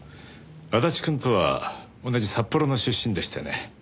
足立くんとは同じ札幌の出身でしてね。